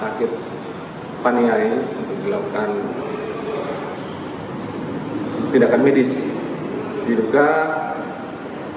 terlihat tadi pahit dengan luka berat namun masih dalam keadaan hidup